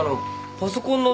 パソコン。